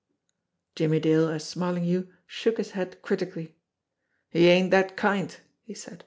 Jimmie Dale as Smarlinghue shook his head critically. "He ain't that kind," he said.